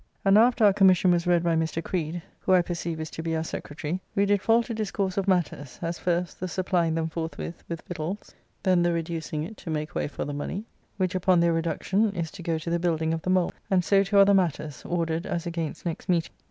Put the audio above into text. And after our Commission was read by Mr. Creed, who I perceive is to be our Secretary, we did fall to discourse of matters: as, first, the supplying them forthwith with victualls; then the reducing it to make way for the money, which upon their reduction is to go to the building of the Mole; and so to other matters, ordered as against next meeting.